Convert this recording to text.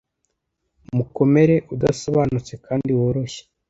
mukomere udasobanutse kandi woroshye